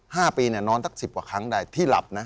ห้าปีเนี่ยนอนสักสิบกว่าครั้งได้ที่หลับนะ